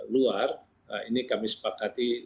luar ini kami sepakati